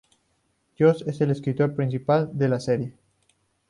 Yost es el escritor principal de la serie.